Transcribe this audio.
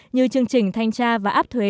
như chương trình thanh tra và áp thuế